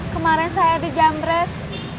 kemaren saya di jamret